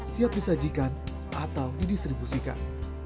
siap disajikan atau didistribusikan